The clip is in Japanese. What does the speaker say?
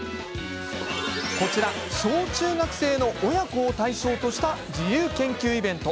こちら、小中学生の親子を対象とした自由研究イベント。